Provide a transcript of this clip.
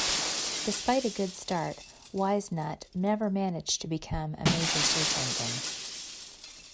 Despite a good start, WiseNut never managed to become a major search engine.